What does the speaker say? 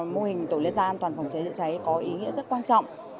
mô hình tổ liên gia an toàn phòng cháy chữa cháy có ý nghĩa rất quan trọng